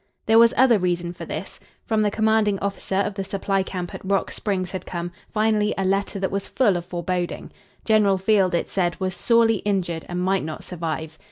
There was other reason for this. From the commanding officer of the supply camp at Rock Springs had come, finally, a letter that was full of foreboding. General Field, it said, was sorely injured and might not survive.